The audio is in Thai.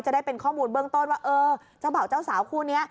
ได้เป็นข้อมูลเบื้องต้นว่าเออเจ้าบ่าวเจ้าสาวคู่นี้